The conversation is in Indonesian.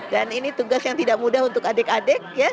dan ini tugas yang tidak mudah untuk adik adik ya